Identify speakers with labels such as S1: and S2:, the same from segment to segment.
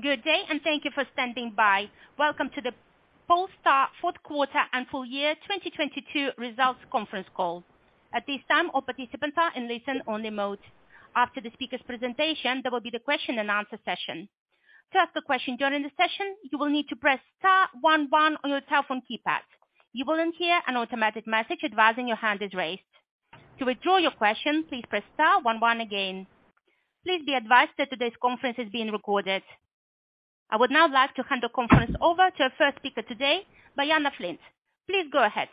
S1: Good day, and thank you for standing by. Welcome to the Polestar Fourth Quarter and Full Year 2022 Results Conference Call. At this time, all participants are in listen only mode. After the speaker's presentation, there will be the question and answer session. To ask a question during the session, you will need to press star 1 1 on your telephone keypad. You will then hear an automatic message advising your hand is raised. To withdraw your question, please press star 1 1 again. Please be advised that today's conference is being recorded. I would now like to hand the conference over to our first speaker today, Bojana Flint. Please go ahead.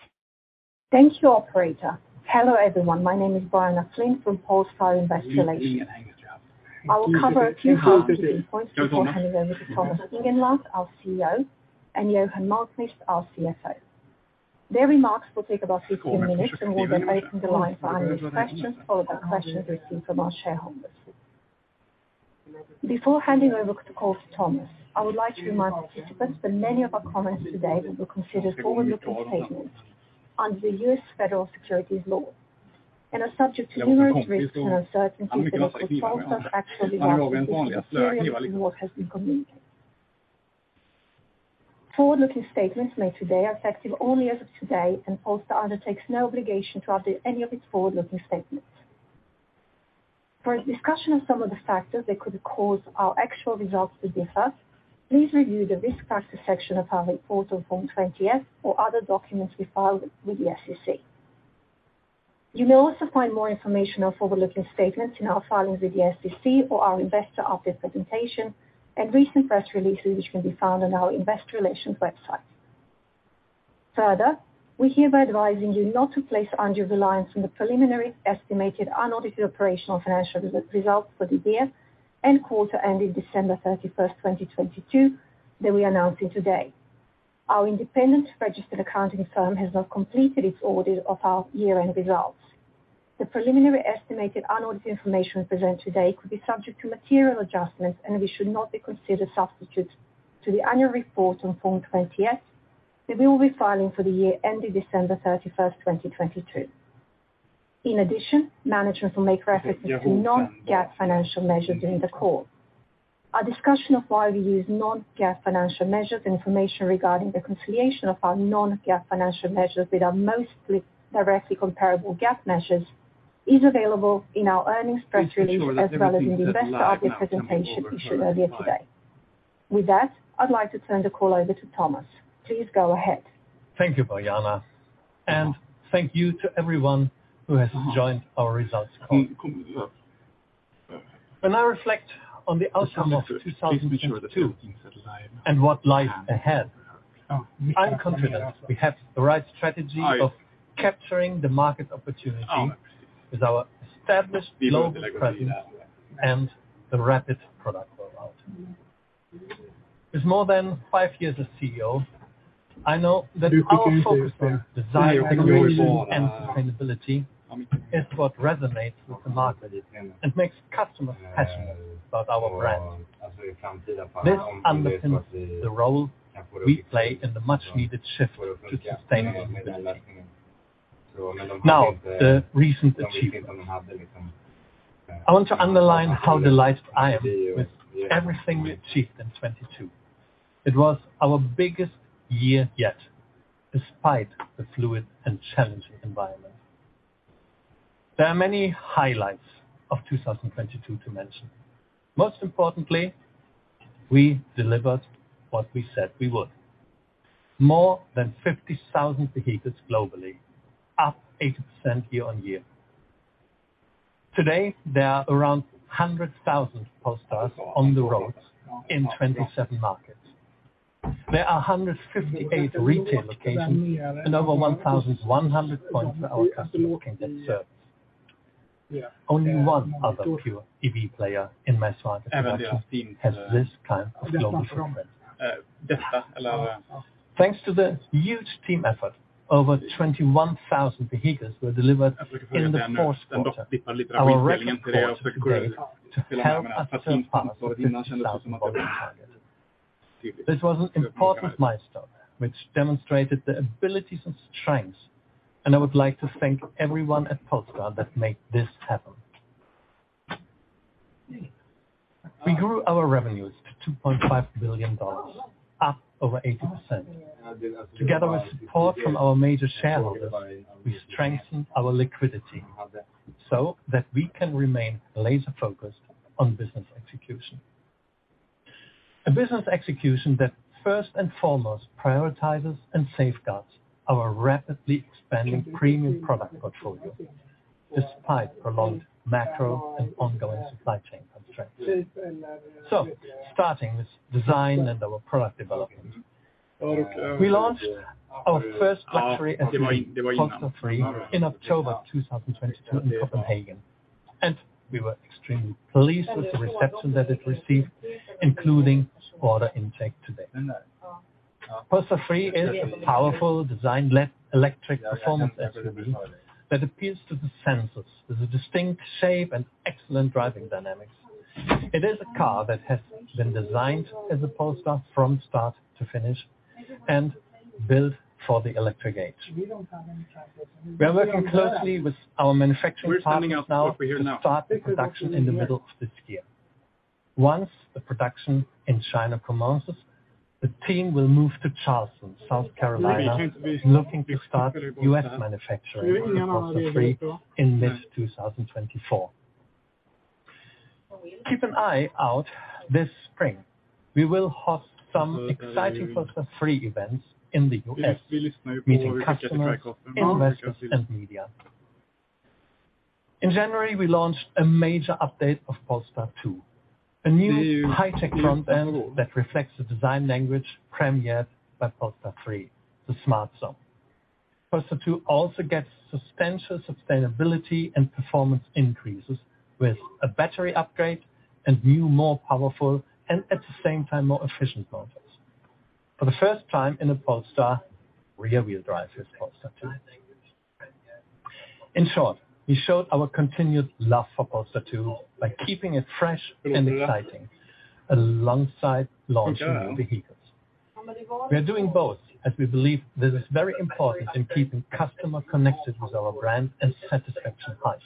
S2: Thank you, operator. Hello, everyone. My name is Bojana Flint from Polestar Investments. I will cover a few key points before handing over to Thomas Ingenlath, our CEO, and Johan Malmqvist, our CFO. Their remarks will take about 50 minutes. We'll then open the line for any questions followed by questions received from our shareholders. Before handing over the call to Thomas, I would like to remind participants that many of our comments today will be considered forward-looking statements under U.S. Federal Securities law and are subject to numerous risks and uncertainties that if fulfilled are actually what has been communicated. Forward-looking statements made today are effective only as of today. Polestar undertakes no obligation to update any of its forward-looking statements. For a discussion of some of the factors that could cause our actual results to differ, please review the Risk Factors section of our report on Form 20-F or other documents we filed with the SEC. You may also find more information on forward-looking statements in our filings with the SEC or our investor update presentation and recent press releases, which can be found on our investor relations website. Further, we're hereby advising you not to place undue reliance on the preliminary estimated unaudited operational financial results for the year and quarter ending December 31st, 2022 that we are announcing today. Our independent registered accounting firm has not completed its audit of our year-end results. The preliminary estimated unaudited information presented today could be subject to material adjustments. We should not be considered substitutes to the annual report on Form 20-F that we will be filing for the year ending December 31st, 2022. In addition, management will make reference to non-GAAP financial measures during the call. Our discussion of why we use non-GAAP financial measures and information regarding the conciliation of our non-GAAP financial measures that are mostly directly comparable GAAP measures is available in our earnings press release as well as in the investor update presentation issued earlier today. With that, I'd like to turn the call over to Thomas. Please go ahead.
S3: Thank you, Bojana, and thank you to everyone who has joined our results call. When I reflect on the outcome of 2022 and what lies ahead, I'm confident we have the right strategy of capturing the market opportunity with our established global presence and the rapid product rollout. With more than 5 years as CEO, I know that our focus on design, technology, and sustainability is what resonates with the market and makes customers passionate about our brand. This underpins the role we play in the much needed shift to sustainable mobility. Now, the recent achievement. I want to underline how delighted I am with everything we achieved in 22. It was our biggest year yet, despite the fluid and challenging environment. There are many highlights of 2022 to mention. Most importantly, we delivered what we said we would. More than 50,000 vehicles globally, up 80%, year-over-year. Today, there are around 100,000 Polestars on the roads in 27 markets. There are 158 retail locations and over 1,100 points where our customers can get service. Only one other pure EV player in mass-market production has this kind of global footprint. Thanks to the huge team effort, over 21,000 vehicles were delivered in the fourth quarter. Our record quarter to date helped us surpass the 50,000 order target. This was an important milestone which demonstrated the abilities and strengths, and I would like to thank everyone at Polestar that made this happen. We grew our revenues to $2.5 billion, up over 80%. Together with support from our major shareholders, we strengthened our liquidity so that we can remain laser-focused on business execution. A business execution that first and foremost prioritizes and safeguards our rapidly expanding premium product portfolio despite prolonged macro and ongoing supply chain constraints. Starting with design and our product development. We launched our first luxury SUV, Polestar 3, in October 2022 in Copenhagen, and we were extremely pleased with the reception that it received, including order intake to date. Polestar 3 is a powerful design-led electric performance SUV that appeals to the senses with a distinct shape and excellent driving dynamics. It is a car that has been designed as a Polestar from start to finish and built for the electric age. We are working closely with our manufacturing partners now to start the production in the middle of this year. Once the production in China commences, the team will move to Charleston, South Carolina, looking to start U.S. manufacturing on Polestar 3 in mid-2024. Keep an eye out this spring. We will host some exciting Polestar 3 events in the U.S., meeting customers, investors, and media. In January, we launched a major update of Polestar 2, a new high-tech front end that reflects the design language premiered by Polestar 3, the SmartZone. Polestar 2 also gets substantial sustainability and performance increases with a battery upgrade and new, more powerful and at the same time, more efficient motors. For the first time in a Polestar, rear-wheel drive is Polestar 2. In short, we showed our continued love for Polestar 2 by keeping it fresh and exciting alongside launching new vehicles. We are doing both as we believe this is very important in keeping customer connected with our brand and satisfaction high.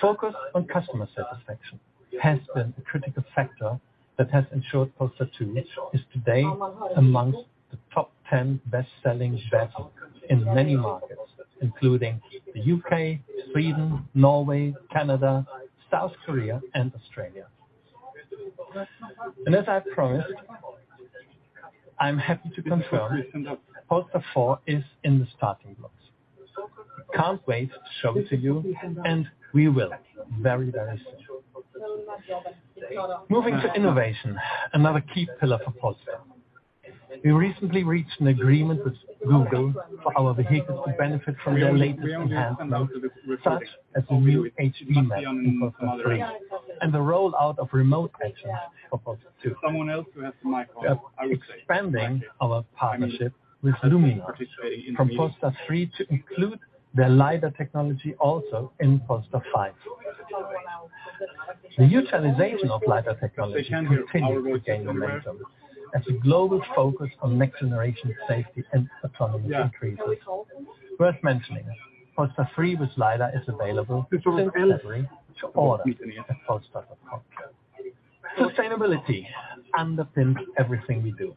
S3: Focus on customer satisfaction has been a critical factor that has ensured Polestar 2 is today amongst the top 10 best-selling EVs in many markets, including the U.K., Sweden, Norway, Canada, South Korea, and Australia. As I promised, I'm happy to confirm Polestar 4 is in the starting blocks. We can't wait to show it to you, and we will very, very soon. Moving to innovation, another key pillar for Polestar. We recently reached an agreement with Google for our vehicles to benefit from their latest enhancements, such as the new HVC on Polestar 3 and the rollout of remote actions for Polestar 2. We are expanding our partnership with Luminar from Polestar 3 to include their Lidar technology also in Polestar 5. The utilization of lidar technology continues to gain momentum as a global focus on next-generation safety and autonomy increases. Worth mentioning, Polestar 3 with Lidar is available since February to order at polestar.com. Sustainability underpins everything we do.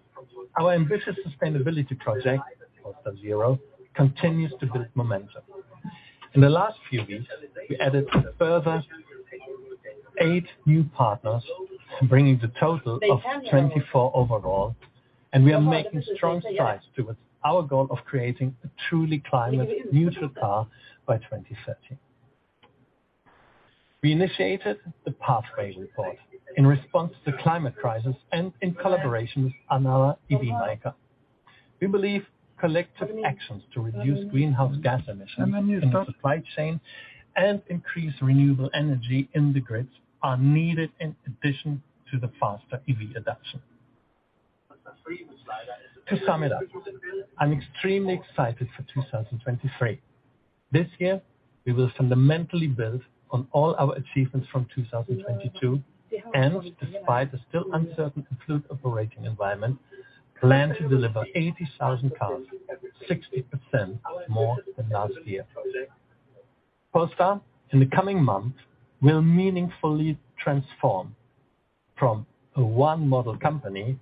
S3: Our ambitious sustainability project, Polestar 0, continues to build momentum. In the last few weeks, we added further eight new partners, bringing the total of 24 overall. We are making strong strides towards our goal of creating a truly climate neutral car by 2030. We initiated the pathway report in response to the climate crisis and in collaboration with another EV maker. We believe collective actions to reduce greenhouse gas emissions in the supply chain and increase renewable energy in the grids are needed in addition to the faster EV adoption. To sum it up, I'm extremely excited for 2023. This year, we will fundamentally build on all our achievements from 2022 and despite the still uncertain and fluid operating environment, plan to deliver 80,000 cars, 60%, more than last year. Polestar in the coming months will meaningfully transform from a one-model company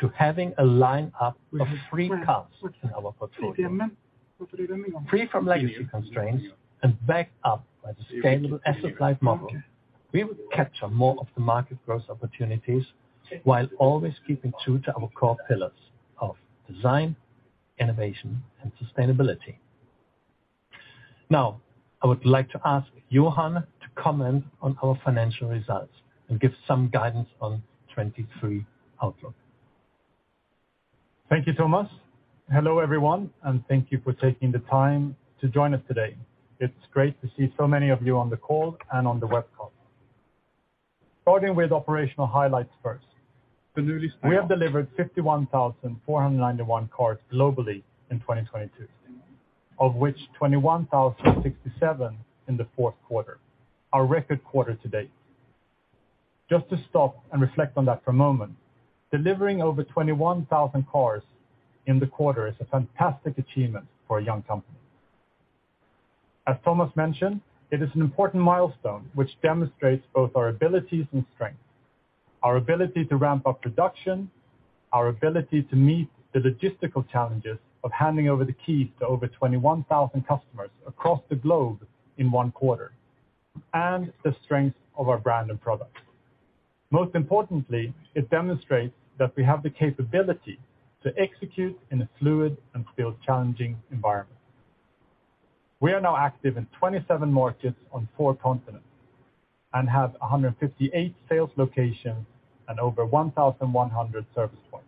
S3: to having a line-up of three cars in our portfolio. Free from legacy constraints and backed up by the scalable asset-light model, we will capture more of the market growth opportunities while always keeping true to our core pillars of design, innovation, and sustainability. I would like to ask Johan to comment on our financial results and give some guidance on 2023 outlook.
S4: Thank you, Thomas. Hello, everyone, thank you for taking the time to join us today. It's great to see so many of you on the call and on the webcast. Starting with operational highlights first. We have delivered 51,491 cars globally in 2022, of which 21,067 in the fourth quarter, our record quarter to date. Just to stop and reflect on that for a moment, delivering over 21,000 cars in the quarter is a fantastic achievement for a young company. As Thomas mentioned, it is an important milestone which demonstrates both our abilities and strengths, our ability to ramp up production, our ability to meet the logistical challenges of handing over the keys to over 21,000 customers across the globe in one quarter, and the strength of our brand and product. Most importantly, it demonstrates that we have the capability to execute in a fluid and still challenging environment. We are now active in 27 markets on 4 continents and have 158 sales locations and over 1,100 service points.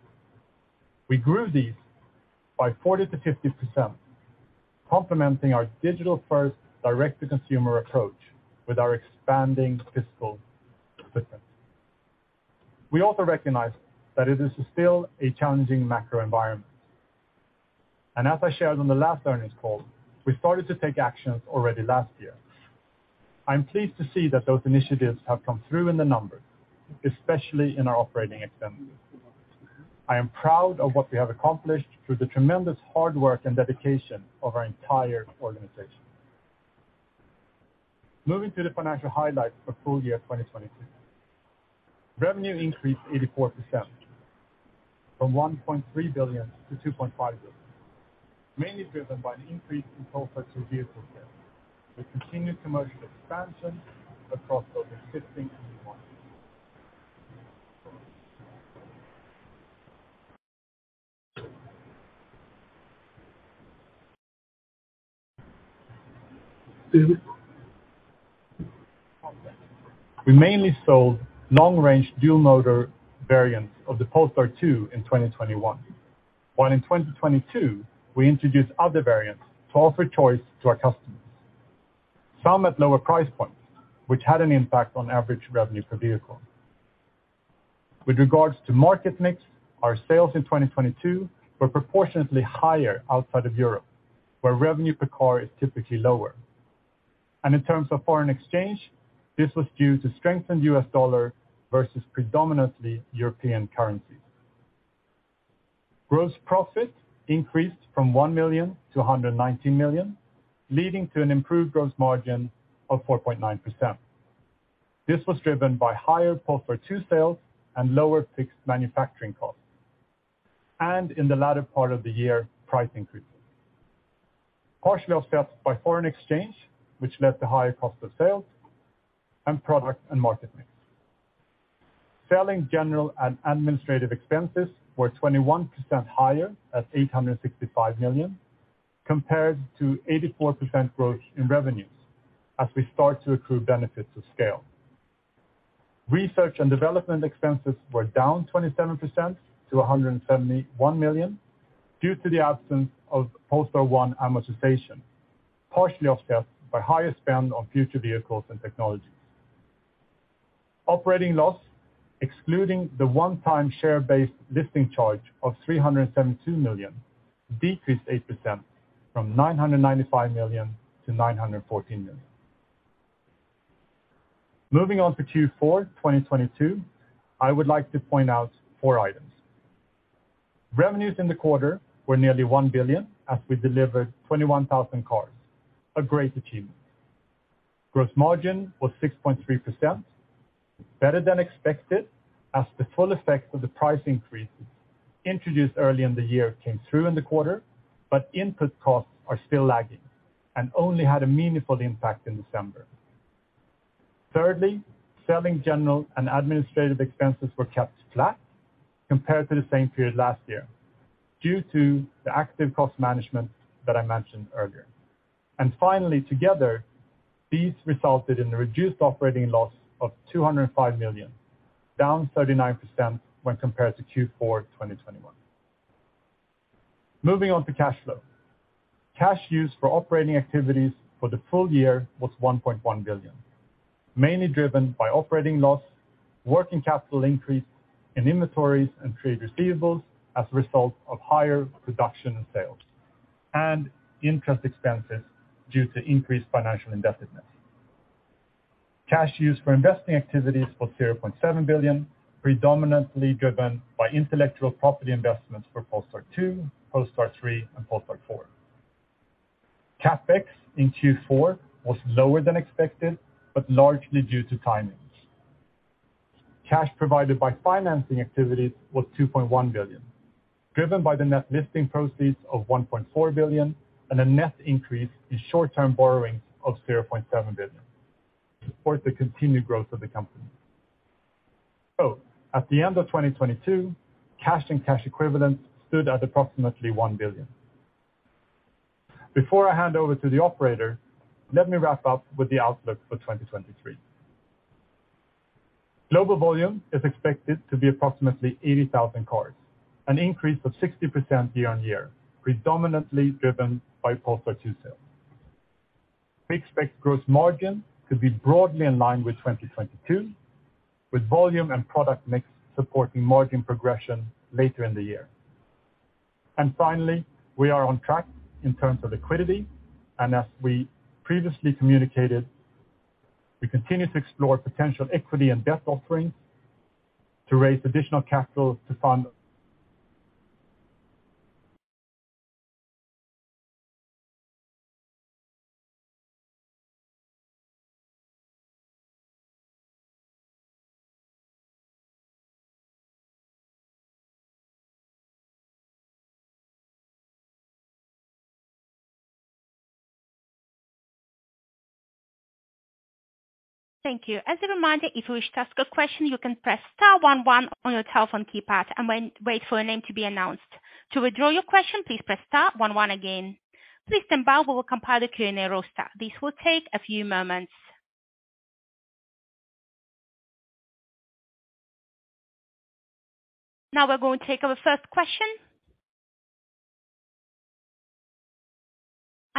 S4: We grew these by 40%-50%, complementing our digital-first direct-to-consumer approach with our expanding physical equipment. We also recognize that it is still a challenging macro environment. As I shared on the last earnings call, we started to take actions already last year. I'm pleased to see that those initiatives have come through in the numbers, especially in our operating expenses. I am proud of what we have accomplished through the tremendous hard work and dedication of our entire organization. Moving to the financial highlights for full year 2022. Revenue increased 84%, from $1.3 billion to $2.5 billion, mainly driven by an increase in Polestar 2 vehicle sales, with continued commercial expansion across both existing and new markets. We mainly sold long-range dual motor variants of the Polestar 2 in 2021. While in 2022, we introduced other variants to offer choice to our customers, some at lower price points, which had an impact on average revenue per vehicle. With regards to market mix, our sales in 2022 were proportionately higher outside of Europe, where revenue per car is typically lower. In terms of foreign exchange, this was due to strengthened U.S. dollar versus predominantly European currencies. Gross profit increased from $1 million to $119 million, leading to an improved gross margin of 4.9%. This was driven by higher Polestar 2 sales and lower fixed manufacturing costs. In the latter part of the year, price increases. Partially offset by foreign exchange, which led to higher cost of sales and product and market mix. Selling, General and Administrative expenses were 21%, higher at $865 million, compared to 84%, growth in revenues as we start to accrue benefits of scale. Research and development expenses were down 27%, to $171 million due to the absence of Polestar 1 amortization, partially offset by higher spend on future vehicles and technologies. Operating loss, excluding the one-time share-based listing charge of $372 million, decreased 8%, from $995 million to $914 million. Moving on to Q4 2022, I would like to point out four items. Revenues in the quarter were nearly $1 billion as we delivered 21,000 cars. A great achievement. Gross margin was 6.3%, better than expected as the full effect of the price increases introduced early in the year came through in the quarter, but input costs are still lagging and only had a meaningful impact in December. Thirdly, Selling, General and Administrative expenses were kept flat compared to the same period last year due to the active cost management that I mentioned earlier. Finally, together, these resulted in a reduced operating loss of $205 million, down 39%, when compared to Q4 2021. Moving on to cash flow. Cash used for operating activities for the full year was $1.1 billion, mainly driven by operating loss, working capital increase in inventories and trade receivables as a result of higher production and sales, and interest expenses due to increased financial indebtedness. Cash used for investing activities was $0.7 billion, predominantly driven by intellectual property investments for Polestar 2, Polestar 3, and Polestar 4. CapEx in Q4 was lower than expected, but largely due to timings. Cash provided by financing activities was $2.1 billion, driven by the net listing proceeds of $1.4 billion and a net increase in short-term borrowing of $0.7 billion to support the continued growth of the company. At the end of 2022, cash and cash equivalents stood at approximately $1 billion. Before I hand over to the operator, let me wrap up with the outlook for 2023. Global volume is expected to be approximately 80,000 cars, an increase of 60% year-over-year, predominantly driven by Polestar 2 sales. We expect gross margin to be broadly in line with 2022, with volume and product mix supporting margin progression later in the year. Finally, we are on track in terms of liquidity, and as we previously communicated, we continue to explore potential equity and debt offerings to raise additional capital to fund.
S1: Thank you. As a reminder, if you wish to ask a question, you can press star one one on your telephone keypad and wait for your name to be announced. To withdraw your question, please press star one one again. Please stand by while we compile the Q&A roster. This will take a few moments. We're going to take our first question.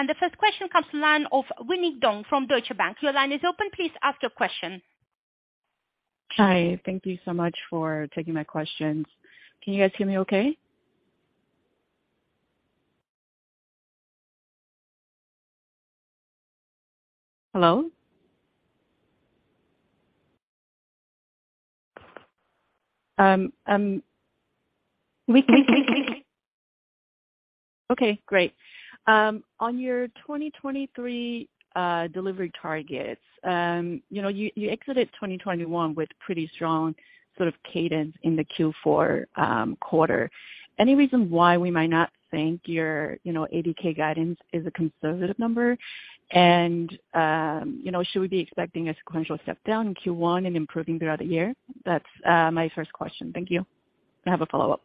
S1: The first question comes to line of Winnie Dong from Deutsche Bank. Your line is open. Please ask your question.
S5: Hi. Thank you so much for taking my questions. Can you guys hear me okay? Hello? We can. Okay, great. On your 2023 delivery targets, you know, you exited 2021 with pretty strong sort of cadence in the Q4 quarter. Any reason why we might not think your, you know, ADK guidance is a conservative number? You know, should we be expecting a sequential step down in Q1 and improving throughout the year? That's my first question. Thank you. I have a follow-up.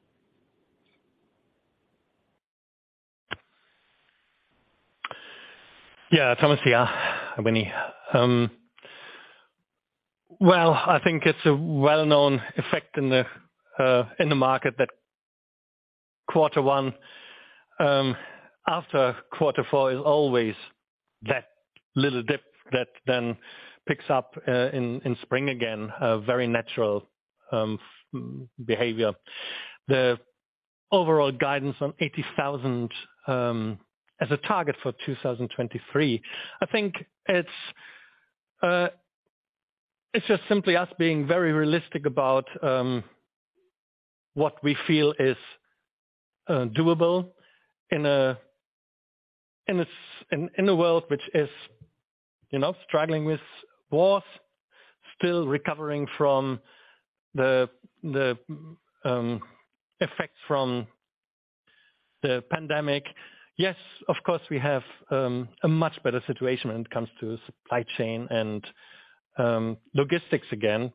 S3: Yeah. Thomas here, Winnie. Well, I think it's a well-known effect in the market that quarter one after quarter four is always that little dip that then picks up in spring again, a very natural behavior. The overall guidance on 80,000 as a target for 2023, I think it's just simply us being very realistic about what we feel is doable in a world which is, you know, struggling with wars, still recovering from the effects from the pandemic. Yes, of course, we have a much better situation when it comes to the supply chain and logistics again.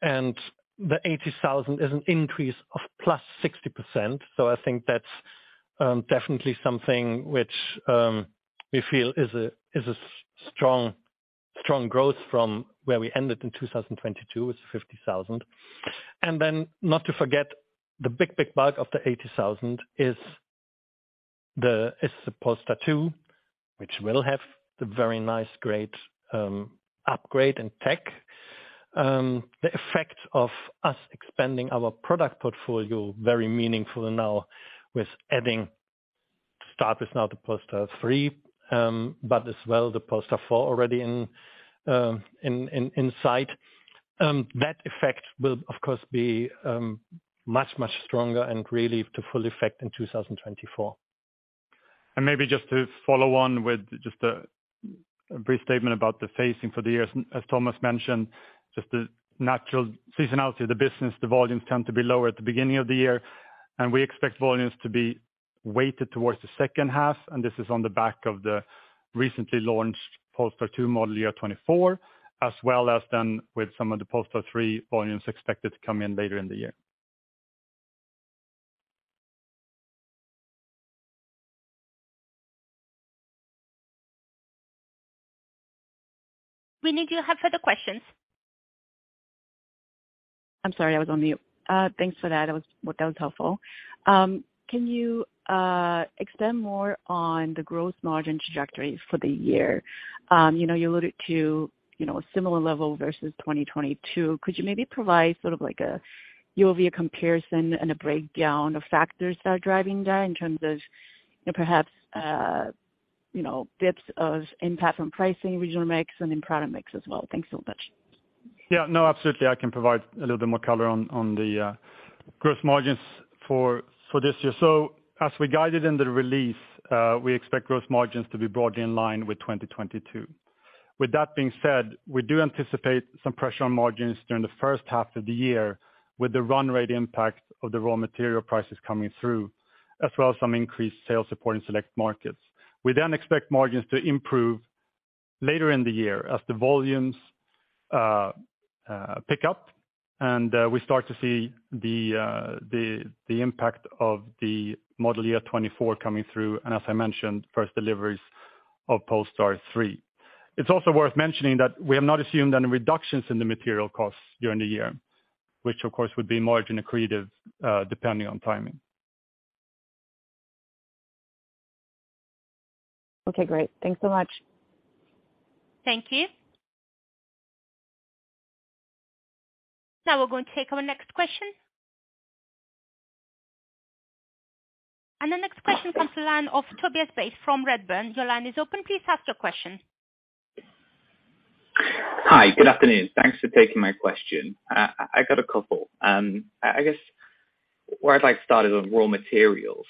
S3: The 80,000 is an increase of +60%. I think that's definitely something which we feel is a strong growth from where we ended in 2022 with 50,000. Not to forget the big bulk of the 80,000 is the Polestar 2, which will have the very nice, great upgrade and tech. The effect of us expanding our product portfolio very meaningfully now with adding start with now the Polestar 3, but as well the Polestar 4 already in sight. That effect will of course be much stronger and really to full effect in 2024.
S4: Maybe just to follow on with just a brief statement about the phasing for the year. As Thomas mentioned, just the natural seasonality of the business, the volumes tend to be lower at the beginning of the year. We expect volumes to be weighted towards the second half. This is on the back of the recently launched Polestar 2 model year 2024, as well as then with some of the Polestar 3 volumes expected to come in later in the year.
S1: Winnie, do you have further questions?
S5: I'm sorry, I was on mute. Thanks for that. Well, that was helpful. Can you expand more on the growth margin trajectory for the year? You know, you alluded to, you know, a similar level versus 2022. Could you maybe provide sort of like a year-over-year comparison and a breakdown of factors that are driving that in terms of perhaps, you know, bits of impact from pricing regional mix and in product mix as well? Thanks so much.
S3: Yeah. No, absolutely. I can provide a little bit more color on the growth margins for this year. As we guided in the release, we expect growth margins to be broadly in line with 2022. With that being said, we do anticipate some pressure on margins during the first half of the year with the run rate impact of the raw material prices coming through, as well as some increased sales support in select markets. We then expect margins to improve later in the year as the volumes pick up and we start to see the impact of the model year 2024 coming through, and as I mentioned, first deliveries of Polestar 3. It's also worth mentioning that we have not assumed any reductions in the material costs during the year, which of course would be margin accretive, depending on timing.
S5: Okay, great. Thanks so much.
S1: Thank you. Now we're going to take our next question. The next question comes to line of Tobias Beith from Redburn. Your line is open. Please ask your question.
S6: Hi. Good afternoon. Thanks for taking my question. I got a couple. I guess where I'd like to start is on raw materials.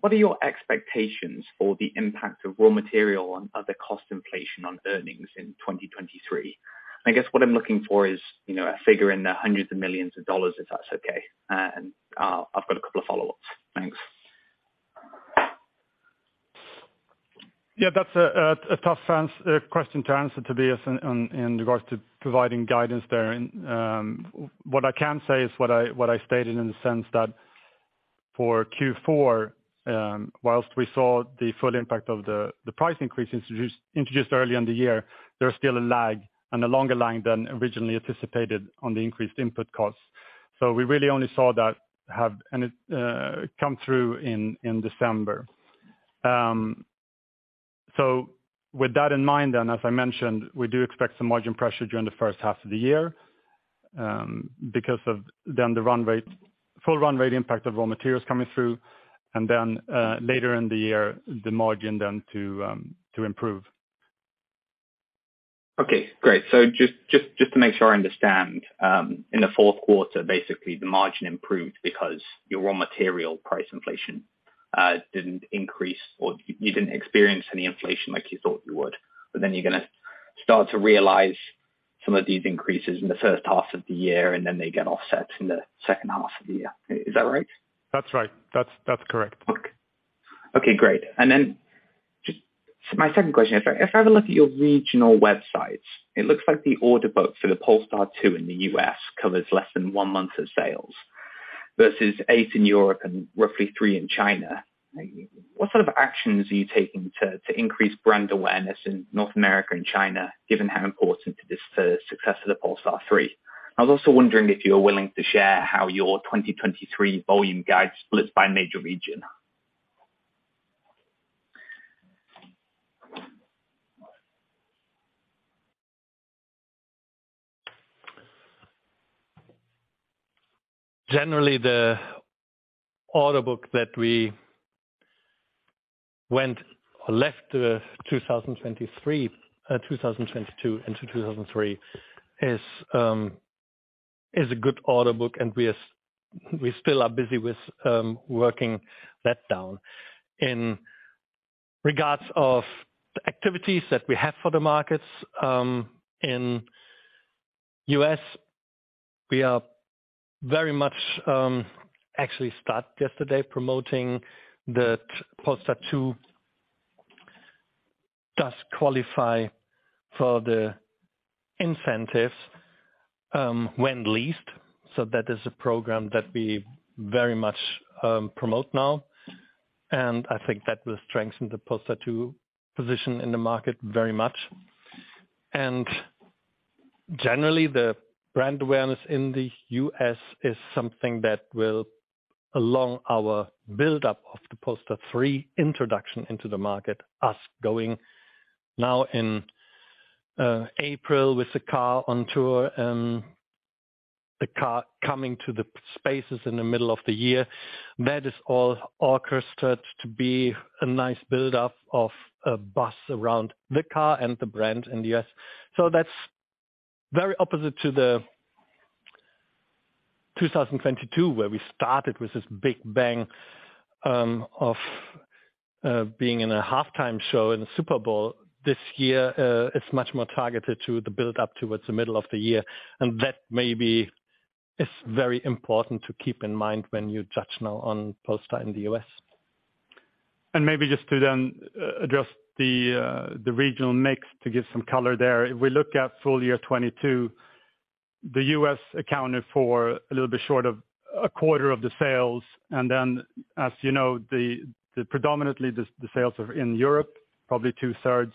S6: What are your expectations for the impact of raw material on other cost inflation on earnings in 2023? I guess what I'm looking for is, you know, a figure in the $ hundreds of millions, if that's okay. I've got a couple of follow-ups. Thanks.
S4: That's a tough sense question to answer, Tobias, in regards to providing guidance there. What I can say is what I stated in the sense that for Q4, whilst we saw the full impact of the price increase introduced early in the year, there's still a lag and a longer lag than originally anticipated on the increased input costs. We really only saw that have and it come through in December. With that in mind then, as I mentioned, we do expect some margin pressure during the first half of the year, because of then the full run rate impact of raw materials coming through and then, later in the year, the margin then to improve.
S6: Okay, great. Just to make sure I understand, in the fourth quarter, basically the margin improved because your raw material price inflation didn't increase or you didn't experience any inflation like you thought you would, you're gonna start to realize some of these increases in the first half of the year, they get offset in the second half of the year. Is that right?
S4: That's right. That's correct.
S6: Okay, great. Just my second question is, if I have a look at your regional websites, it looks like the order book for the Polestar 2 in the U.S. covers less than 1 month of sales versus 8 in Europe and roughly 3 in China. What sort of actions are you taking to increase brand awareness in North America and China, given how important it is to success of the Polestar 3? I was also wondering if you are willing to share how your 2023 volume guide splits by major region.
S3: Generally, the order book that we went or left 2022 into 2023 is a good order book, and we still are busy with working that down. In regards of the activities that we have for the markets, in U.S., we are very much actually start yesterday promoting that Polestar 2 does qualify for the incentives, when leased. That is a program that we very much promote now, and I think that will strengthen the Polestar 2 position in the market very much. Generally, the brand awareness in the U.S. is something that will along our buildup of the Polestar 3 introduction into the market, us going now in April with the car on tour, the car coming to the spaces in the middle of the year. That is all orchestrated to be a nice buildup of a buzz around the car and the brand in the U.S. That's very opposite to the 2022, where we started with this big bang, of being in a halftime show in the Super Bowl. This year, is much more targeted to the build-up towards the middle of the year. That maybe is very important to keep in mind when you judge now on Polestar in the U.S.
S4: Maybe just to then address the regional mix to give some color there. If we look at full year 2022, the U.S. accounted for a little bit short of a quarter of the sales. Then, as you know, the predominantly the sales are in Europe, probably two-thirds,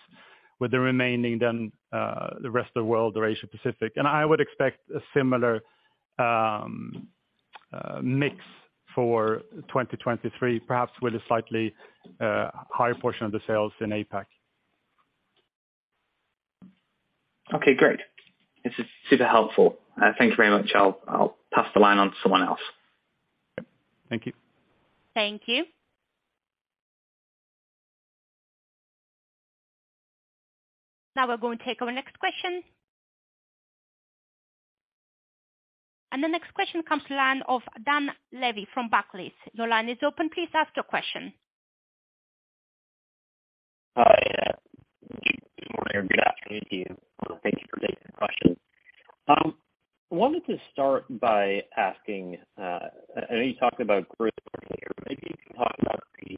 S4: with the remaining then the rest of the world or Asia-Pacific. I would expect a similar mix for 2023, perhaps with a slightly higher portion of the sales in APAC.
S6: Okay, great. This is super helpful. Thank you very much. I'll pass the line on to someone else.
S4: Thank you.
S1: Thank you. Now we're going to take our next question. The next question comes to line of Dan Levy from Barclays. Your line is open. Please ask your question.
S7: Hi, good morning or good afternoon to you. Thank you for taking the question. wanted to start by asking, I know you talked about growth earlier, but maybe you can talk about the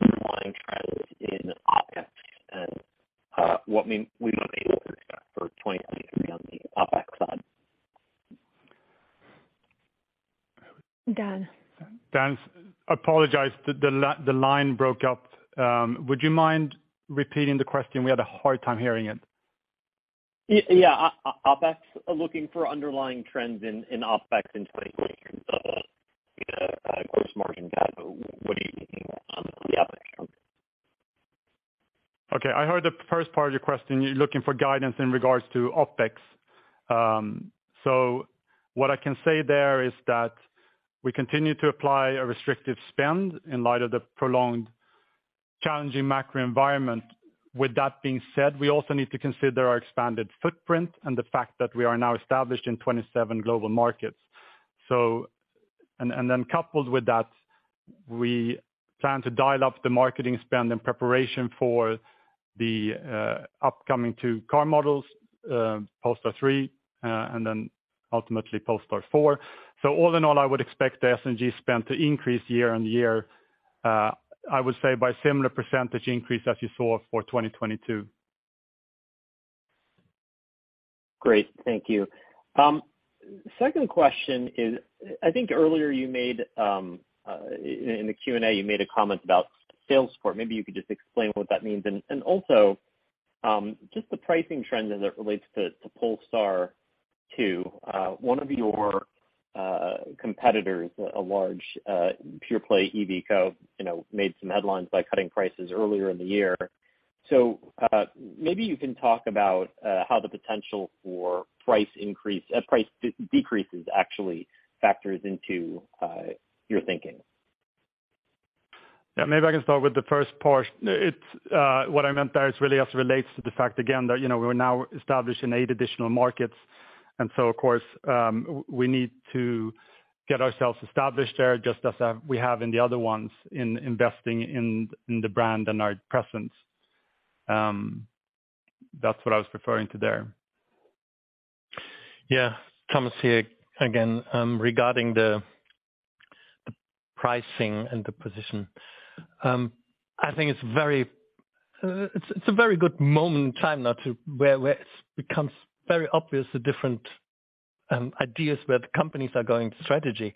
S7: underlying trends in OpEx and what we might be able to expect for 2023 on the OpEx side.
S1: Dan.
S4: Dan, apologize, the line broke up. Would you mind repeating the question? We had a hard time hearing it.
S7: yeah. OpEx, looking for underlying trends in OpEx in 2023. The gross margin guide, but what are you looking at on the OpEx front?
S4: Okay, I heard the first part of your question. You're looking for guidance in regards to OpEx. What I can say there is that we continue to apply a restrictive spend in light of the prolonged challenging macro environment. With that being said, we also need to consider our expanded footprint and the fact that we are now established in 27 global markets. Coupled with that, we plan to dial up the marketing spend in preparation for the upcoming two car models, Polestar 3, and then ultimately Polestar 4. All in all, I would expect the SG&A spend to increase year-on-year, I would say by similar percentage increase as you saw for 2022.
S7: Great. Thank you. Second question is, I think earlier you made, in the Q&A, you made a comment about sales support. Maybe you could just explain what that means. Also just the pricing trend as it relates to Polestar 2. One of your competitors, a large, pure play EV co, you know, made some headlines by cutting prices earlier in the year. Maybe you can talk about how the potential for price decreases actually factors into your thinking.
S4: Yeah, maybe I can start with the first part. It's, what I meant there is really also relates to the fact again that, you know, we're now established in eight additional markets. Of course, we need to get ourselves established there just as we have in the other ones in investing in the brand and our presence. That's what I was referring to there.
S3: Yeah. Thomas here again. Regarding the pricing and the position. I think it's very it's a very good moment in time now where it becomes very obvious the different ideas where the companies are going strategy.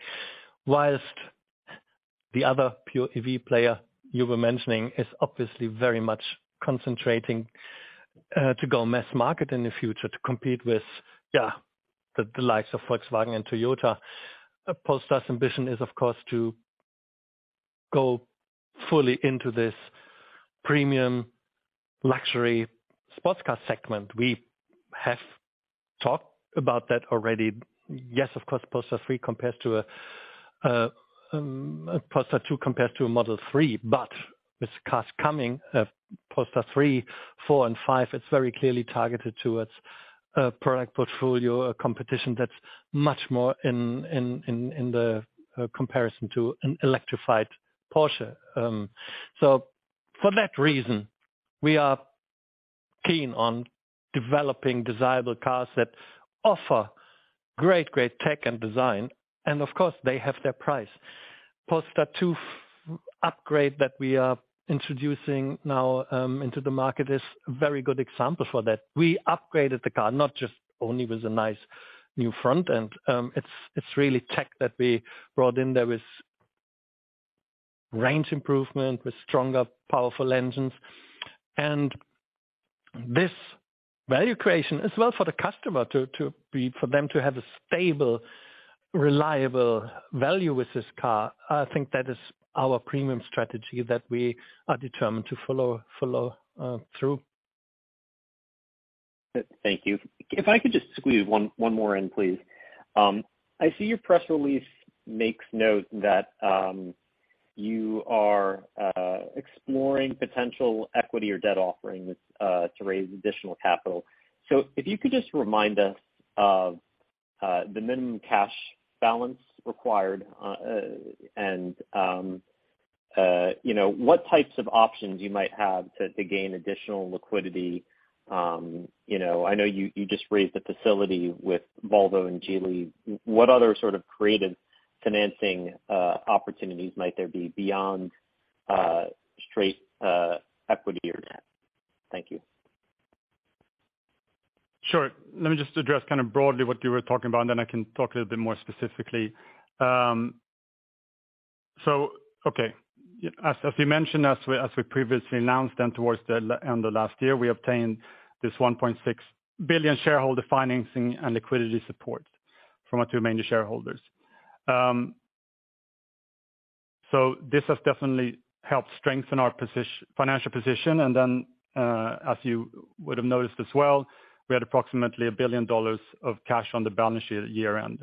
S3: The other pure EV player you were mentioning is obviously very much concentrating to go mass market in the future to compete with, yeah, the likes of Volkswagen and Toyota. Polestar's ambition is, of course, to go fully into this premium luxury sports car segment. We have talked about that already. Yes, of course, Polestar 2 compares to a Model 3. With cars coming, Polestar 3, 4, and 5, it's very clearly targeted towards a product portfolio, a competition that's much more in the comparison to an electrified Porsche. For that reason, we are keen on developing desirable cars that offer great tech and design, and of course, they have their price. Polestar 2 upgrade that we are introducing now into the market is a very good example for that. We upgraded the car not just only with a nice new front end. It's really tech that we brought in. There is range improvement with stronger, powerful engines. This value creation is well for the customer for them to have a stable, reliable value with this car. I think that is our premium strategy that we are determined to follow through.
S7: Thank you. If I could just squeeze one more in, please. I see your press release makes note that you are exploring potential equity or debt offerings to raise additional capital. If you could just remind us of the minimum cash balance required, and you know, what types of options you might have to gain additional liquidity. You know, I know you just raised the facility with Volvo and Geely. What other sort of creative financing opportunities might there be beyond straight equity or debt? Thank you.
S4: Sure. Let me just address kinda broadly what you were talking about, and then I can talk a little bit more specifically. Okay. As you mentioned, as we previously announced, and towards the end of last year, we obtained this $1.6 billion shareholder financing and liquidity support from our two major shareholders. This has definitely helped strengthen our financial position. As you would have noticed as well, we had approximately $1 billion of cash on the balance sheet at year-end.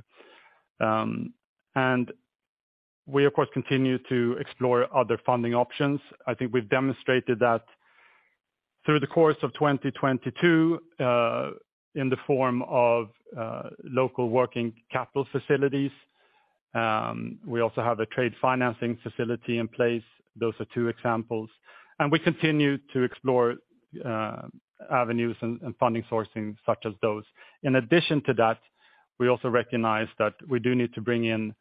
S4: We, of course, continue to explore other funding options. I think we've demonstrated that through the course of 2022, in the form of local working capital facilities. We also have a trade financing facility in place. Those are two examples. We continue to explore, avenues and funding sourcing such as those. In addition to that, we also recognize that we do need to bring in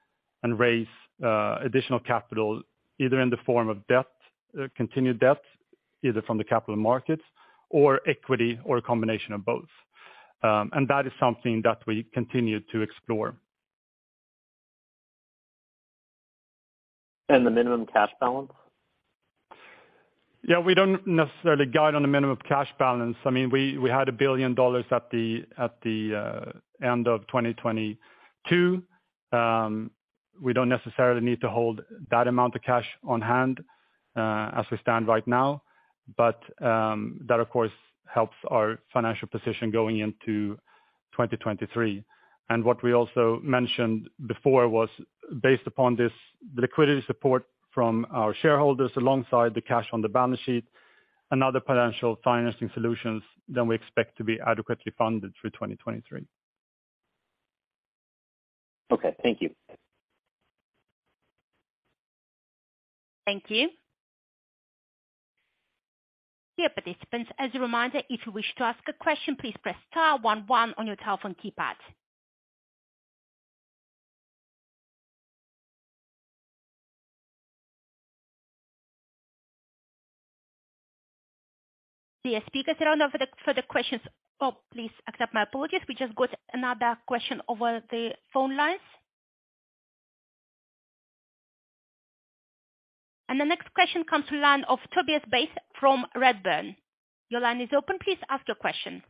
S4: and raise, additional capital, either in the form of debt, continued debt, either from the capital markets or equity or a combination of both. That is something that we continue to explore.
S7: The minimum cash balance?
S4: Yeah, we don't necessarily guide on the minimum cash balance. I mean, we had $1 billion at the end of 2022. We don't necessarily need to hold that amount of cash on hand as we stand right now. That of course helps our financial position going into 2023. What we also mentioned before was based upon this liquidity support from our shareholders alongside the cash on the balance sheet and other potential financing solutions, then we expect to be adequately funded through 2023.
S7: Okay, thank you.
S1: Thank you. Dear participants, as a reminder, if you wish to ask a question, please press star 11 on your telephone keypad. Dear speakers, I don't know for the questions. Oh, please accept my apologies. We just got another question over the phone lines. The next question comes to line of Tobias Beith from Redburn. Your line is open. Please ask your question.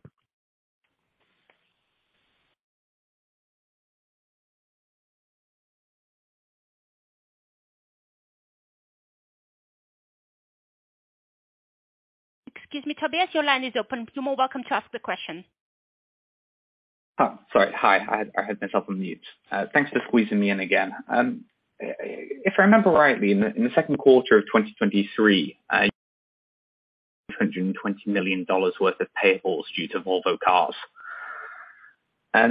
S1: Excuse me, Tobias, your line is open. You're more welcome to ask the question.
S6: Oh, sorry. Hi. I had myself on mute. Thanks for squeezing me in again. If I remember rightly, in the second quarter of 2023, $220 million worth of payables due to Volvo Cars. I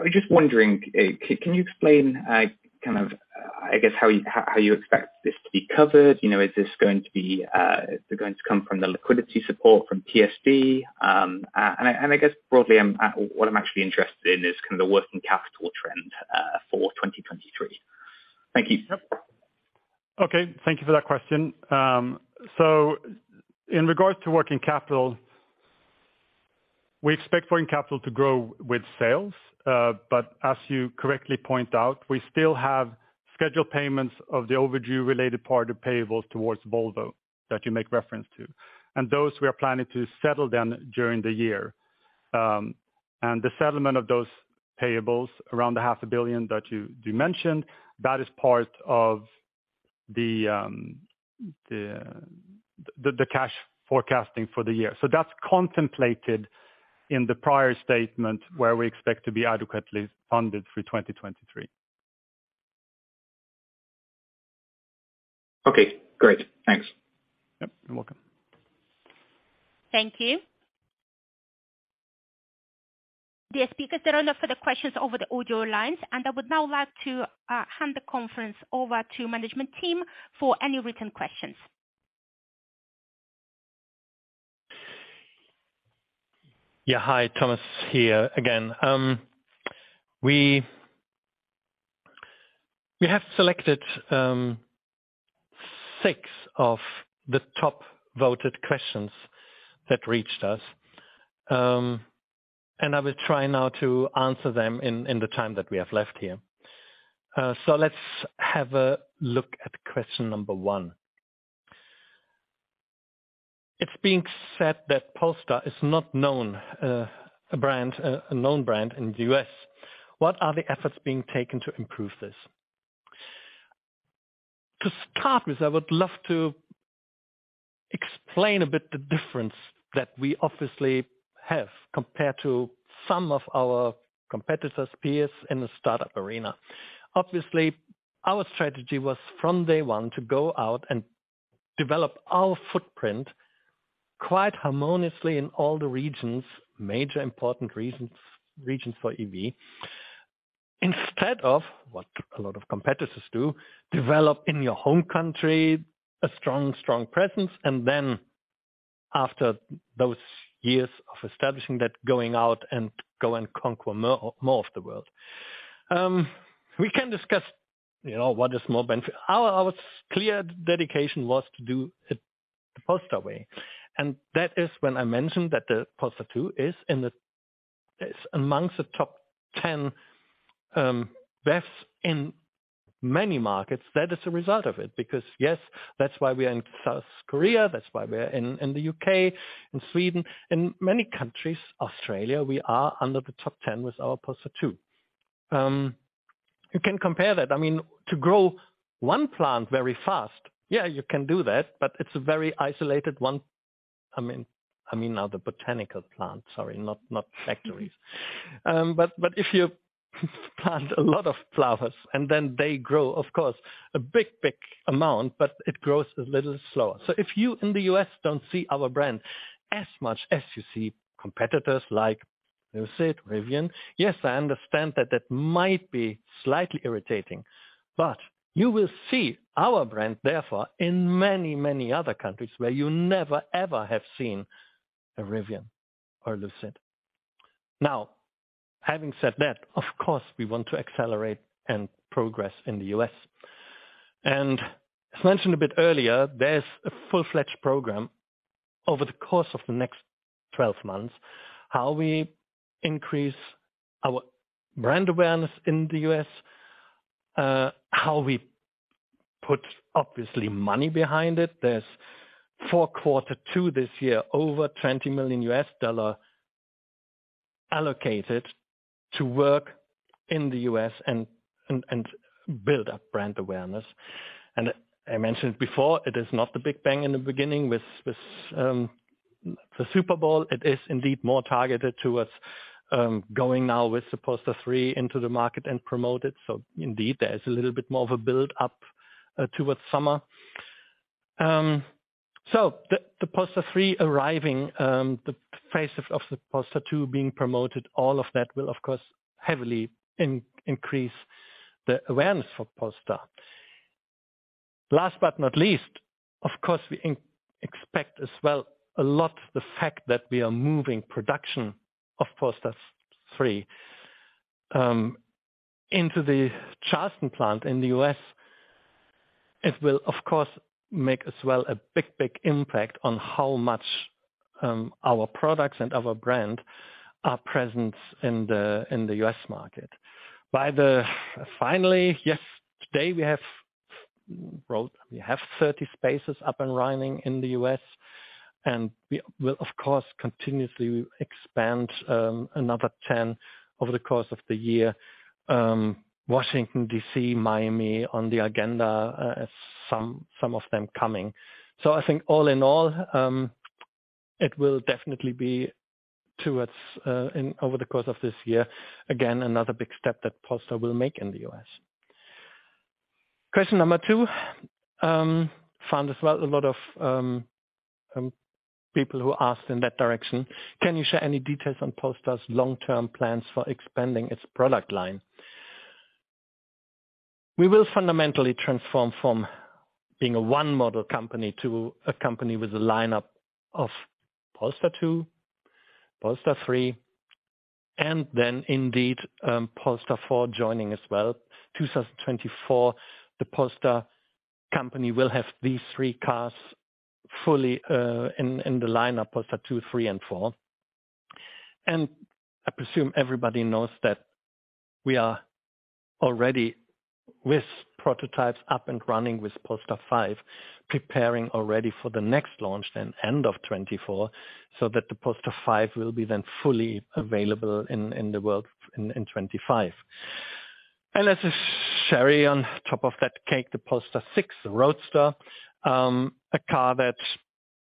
S6: was just wondering, can you explain, kind of, I guess how you expect this to be covered? You know, is this going to be, going to come from the liquidity support from TSD? I guess broadly, what I'm actually interested in is kind of the working capital trend for 2023. Thank you.
S3: Okay. Thank you for that question. In regards to working capital, we expect foreign capital to grow with sales. As you correctly point out, we still have scheduled payments of the overdue related part of payables towards Volvo that you make reference to. Those we are planning to settle them during the year. The settlement of those payables around the half a billion that you mentioned, that is part of the cash forecasting for the year. That's contemplated in the prior statement where we expect to be adequately funded through 2023.
S6: Okay, great. Thanks.
S3: You're welcome.
S1: Thank you. Dear speakers, there are no further questions over the audio lines, I would now like to hand the conference over to management team for any written questions.
S3: Yeah. Hi, Thomas here again. We have selected six of the top voted questions that reached us, and I will try now to answer them in the time that we have left here. Let's have a look at question number one. It's being said that Polestar is not known, a brand, a known brand in the U.S. What are the efforts being taken to improve this? To start with, I would love to explain a bit the difference that we obviously have compared to some of our competitors, peers in the startup arena. Obviously, our strategy was from day one to go out and develop our footprint quite harmoniously in all the regions, major important regions for EV. Instead of what a lot of competitors do, develop in your home country a strong presence, and then after those years of establishing that, going out and go and conquer more of the world. We can discuss, you know, what is more benefit. Our clear dedication was to do it the Polestar way, and that is when I mentioned that the Polestar 2 is amongst the top 10 best in many markets. That is a result of it, because, yes, that's why we are in South Korea, that's why we're in the UK, in Sweden. In many countries, Australia, we are under the top 10 with our Polestar 2. You can compare that. I mean, to grow one plant very fast, yeah, you can do that, but it's a very isolated one. I mean, now the botanical plant, sorry, not factories. But if you plant a lot of flowers and then they grow, of course, a big amount, but it grows a little slower. If you in the U.S. don't see our brand as much as you see competitors like Lucid, Rivian. Yes, I understand that that might be slightly irritating. You will see our brand, therefore in many, many other countries where you never, ever have seen a Rivian or Lucid. Having said that, of course, we want to accelerate and progress in the U.S. As mentioned a bit earlier, there's a full-fledged program over the course of the next 12 months, how we increase our brand awareness in the U.S., how we put obviously money behind it. There's 4 quarter to this year, over $20 million allocated to work in the U.S. and build up brand awareness. I mentioned before, it is not the big bang in the beginning with the Super Bowl. It is indeed more targeted towards going now with the Polestar 3 into the market and promote it. Indeed, there's a little bit more of a build up towards summer. The Polestar 3 arriving, the phase of the Polestar 2 being promoted, all of that will of course heavily increase the awareness for Polestar. Last but not least, of course, we expect as well a lot the fact that we are moving production of Polestar 3 into the Charleston plant in the U.S. It will of course make as well a big, big impact on our products and our brand are present in the U.S. market. Finally, yes, today we have growth. We have 30 spaces up and running in the U.S. and we will of course continuously expand, another 10 over the course of the year, Washington D.C., Miami on the agenda, some of them coming. I think all in all, it will definitely be towards, in over the course of this year, again, another big step that Polestar will make in the U.S. Question number 2, found as well a lot of people who asked in that direction: can you share any details on Polestar's long-term plans for expanding its product line? We will fundamentally transform from being a one-model company to a company with a lineup of Polestar 2, Polestar 3, and indeed, Polestar 4 joining as well. 2024, the Polestar company will have these three cars fully in the lineup, Polestar 2, 3, and 4. I presume everybody knows that we are already with prototypes up and running with Polestar 5, preparing already for the next launch end of 2024, so that the Polestar 5 will be then fully available in the world in 2025. As a cherry on top of that cake, the Polestar 6 Roadster, a car that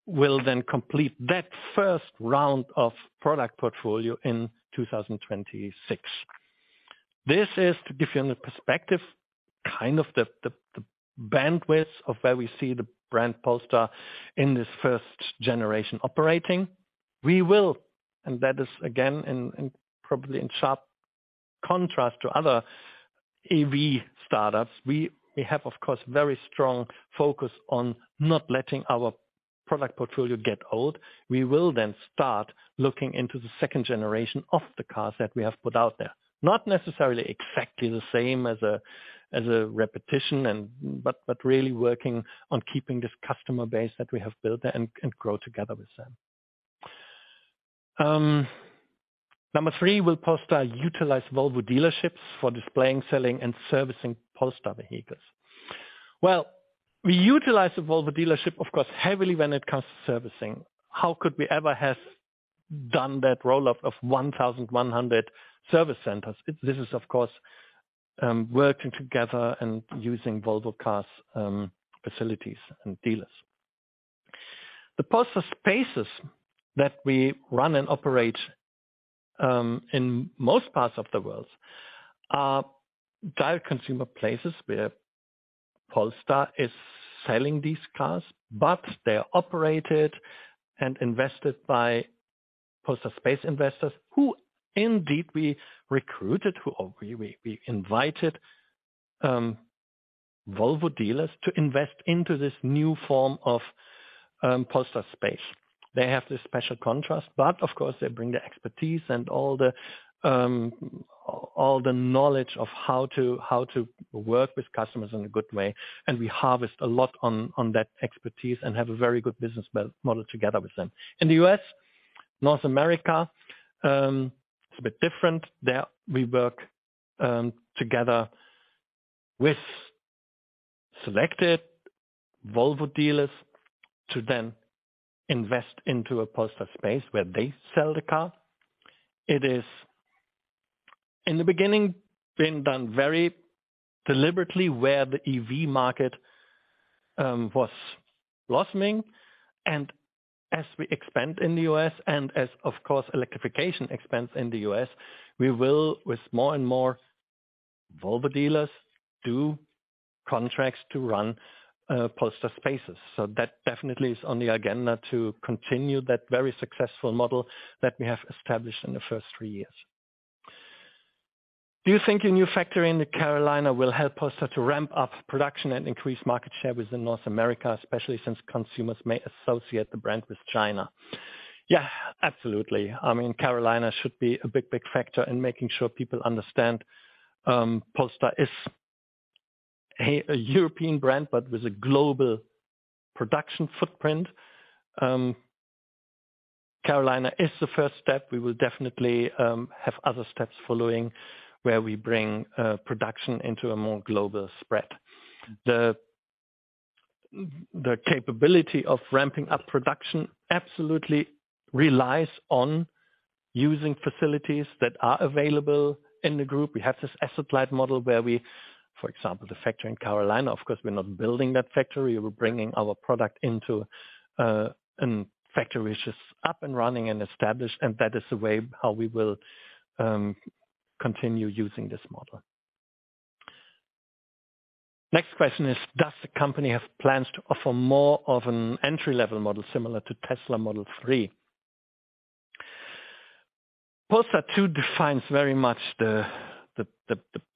S3: will then complete that first round of product portfolio in 2026. This is to give you an perspective, kind of the bandwidth of where we see the brand Polestar in this first generation operating. We will, and that is again, in probably in sharp contrast to other EV startups. We have, of course, very strong focus on not letting our product portfolio get old. We will start looking into the second generation of the cars that we have put out there. Not necessarily exactly the same as a repetition but really working on keeping this customer base that we have built there and grow together with them. Number three: will Polestar utilize Volvo dealerships for displaying, selling and servicing Polestar vehicles? Well, we utilize the Volvo dealership, of course, heavily when it comes to servicing. How could we ever have done that roll-up of 1,100 service centers? This is of course, working together and using Volvo Cars facilities and dealers. The Polestar spaces that we run and operate in most parts of the world are direct consumer places where Polestar is selling these cars, but they're operated and invested by Polestar space investors who indeed we recruited, who we invited Volvo dealers to invest into this new form of Polestar space. They have this special contrast, of course, they bring the expertise and all the knowledge of how to work with customers in a good way. We harvest a lot on that expertise and have a very good business model together with them. In the U.S., North America, it's a bit different. There we work together with selected Volvo dealers to then invest into a Polestar space where they sell the car. It is in the beginning, been done very deliberately where the EV market was blossoming. As we expand in the U.S. and as of course electrification expands in the U.S., we will with more and more Volvo dealers do contracts to run Polestar spaces. That definitely is on the agenda to continue that very successful model that we have established in the first 3 years. Do you think a new factory in the Carolina will help Polestar to ramp up production and increase market share within North America, especially since consumers may associate the brand with China? Yeah, absolutely. I mean, Carolina should be a big factor in making sure people understand, Polestar is a European brand, but with a global production footprint. Carolina is the first step. We will definitely have other steps following where we bring production into a more global spread. The capability of ramping up production absolutely relies on using facilities that are available in the group. We have this asset-light model where we, for example, the factory in Carolina, of course, we're not building that factory. We're bringing our product into an factory which is up and running and established, and that is the way how we will continue using this model. Next question is: does the company have plans to offer more of an entry-level model similar to Tesla Model 3? Polestar 2 defines very much the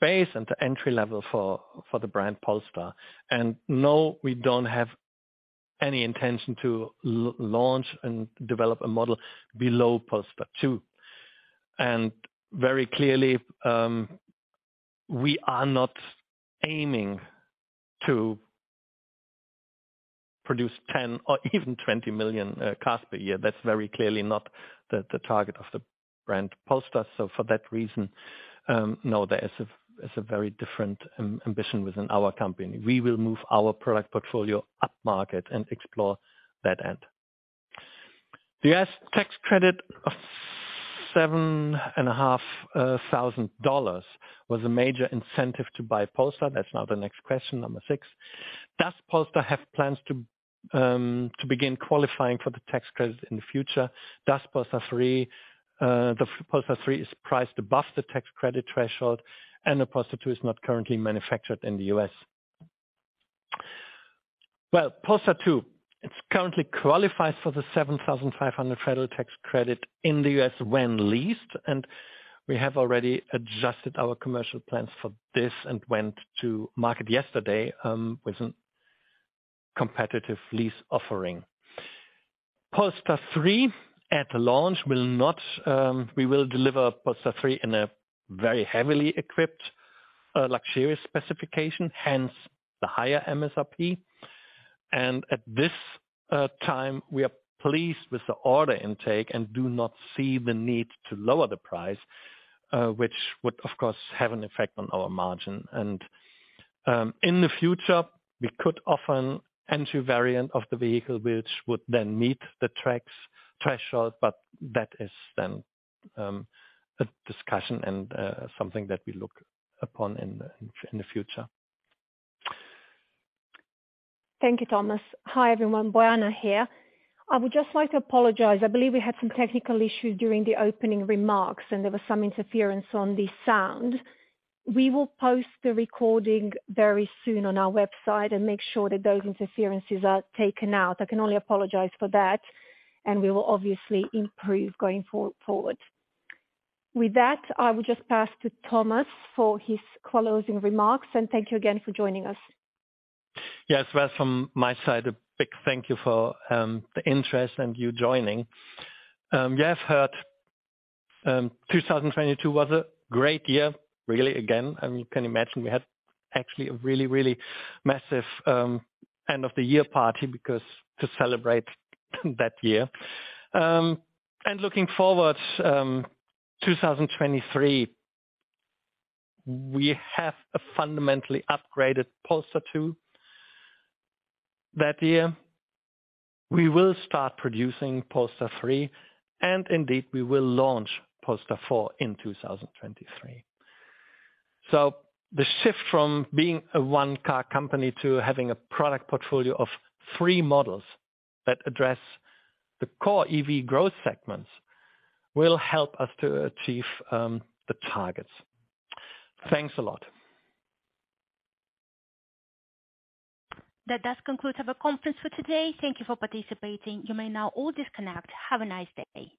S3: base and the entry level for the brand Polestar. No, we don't have any intention to launch and develop a model below Polestar 2. Very clearly, We are not aiming to produce 10 or even 20 million cars per year. That's very clearly not the target of the brand Polestar. For that reason, no, that is a very different ambition within our company. We will move our product portfolio upmarket and explore that end. The U.S. tax credit of seven and a half thousand dollars was a major incentive to buy Polestar. That's now the next question, number six. Does Polestar have plans to begin qualifying for the tax credits in the future? Does Polestar 3... The Polestar 3 is priced above the tax credit threshold, and the Polestar 2 is not currently manufactured in the U.S. Well, Polestar 2 currently qualifies for the $7,500 federal tax credit in the U.S. When leased, and we have already adjusted our commercial plans for this and went to market yesterday with a competitive lease offering. Polestar 3 at launch will not. We will deliver Polestar 3 in a very heavily equipped, luxurious specification, hence the higher MSRP. At this time we are pleased with the order intake and do not see the need to lower the price, which would of course have an effect on our margin. In the future, we could offer an entry variant of the vehicle which would then meet the tracks-threshold, but that is then, a discussion and, something that we look upon in the future.
S2: Thank you, Thomas. Hi, everyone. Bojana here. I would just like to apologize. I believe we had some technical issues during the opening remarks. There was some interference on the sound. We will post the recording very soon on our website and make sure that those interferences are taken out. I can only apologize for that. We will obviously improve going forward. With that, I will just pass to Thomas for his closing remarks and thank you again for joining us.
S3: Yes. Well, from my side, a big thank you for the interest and you joining. You have heard 2022 was a great year. Really, again, you can imagine we had actually a really, really massive end of the year party because to celebrate that year. Looking forward, 2023, we have a fundamentally upgraded Polestar 2 that year. We will start producing Polestar 3, and indeed we will launch Polestar 4 in 2023. The shift from being a one-car company to having a product portfolio of three models that address the core EV growth segments will help us to achieve the targets. Thanks a lot.
S1: That does conclude our conference for today. Thank you for participating. You may now all disconnect. Have a nice day.